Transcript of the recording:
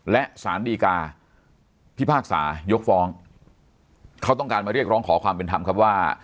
และสารดีกาพิพากษายกฟ้องเขาต้องการมาเรียกร้องขอความเป็นธรรมครับว่า